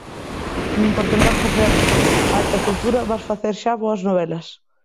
Nin por tentar facer alta cultura vas facer xa boas novelas.